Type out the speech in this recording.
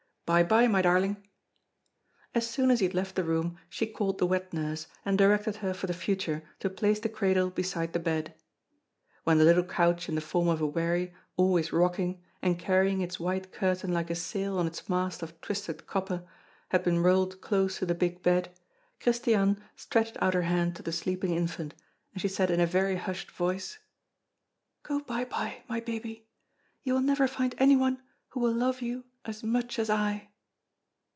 By bye, my darling." As soon as he had left the room, she called the wet nurse, and directed her for the future to place the cradle beside the bed. When the little couch in the form of a wherry, always rocking, and carrying its white curtain like a sail on its mast of twisted copper, had been rolled close to the big bed, Christiane stretched out her hand to the sleeping infant, and she said in a very hushed voice: "Go by bye, my baby! You will never find anyone who will love you as much as I."